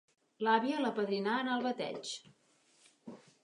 L'àvia l'apadrinà en el bateig.